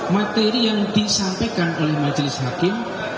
materi yang disampaikan oleh majelis hakim